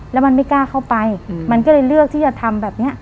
แล้วมันไม่กล้าเข้าไปมันก็เลยเลือกที่จะทำแบบนี้